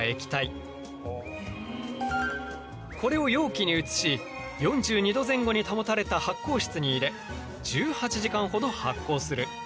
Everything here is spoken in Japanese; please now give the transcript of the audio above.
これを容器に移し４２度前後に保たれた発酵室に入れ１８時間ほど発酵する。